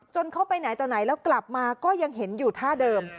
เข้าไปไหนต่อไหนแล้วกลับมาก็ยังเห็นอยู่ท่าเดิม